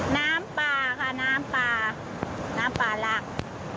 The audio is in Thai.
น้ำปลาค่ะน้ำปลาน้ำปลาหลัก